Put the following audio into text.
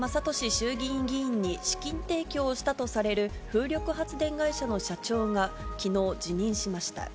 衆議院議員に資金提供をしたとされる風力発電会社の社長がきのう、辞任しました。